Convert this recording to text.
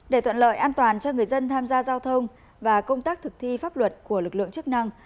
để thuận lợi an toàn cho người dân tham gia giao thông và công tác thực thi pháp luật của lực lượng chức năng